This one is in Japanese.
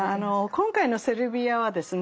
今回のセルビアはですね